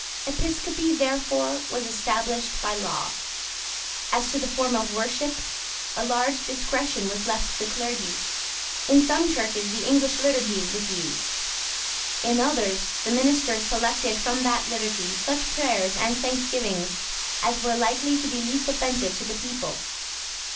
Episcopacy, therefore, was established by law. As to the form of worship, a large discretion was left to the clergy. In some churches the English Liturgy was used. In others, the ministers selected from that Liturgy such prayers and thanksgivings as were likely to be least offensive to the people.